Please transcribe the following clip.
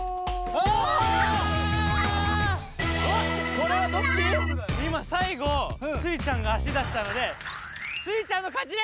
あっこれはどっち⁉いまさいごスイちゃんがあしだしたのでスイちゃんのかちです！